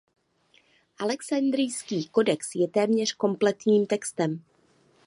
Alexandrijský kodex je téměř kompletním textem.